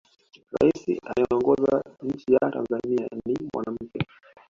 rais anayeongoza nchi ya tanzania ni mwanamke